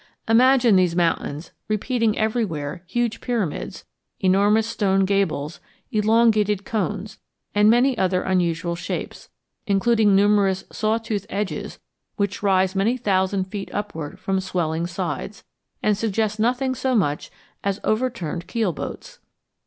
Imagine these mountains repeating everywhere huge pyramids, enormous stone gables, elongated cones, and many other unusual shapes, including numerous saw toothed edges which rise many thousand feet upward from swelling sides, and suggest nothing so much as overturned keel boats.